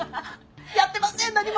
やってません何も！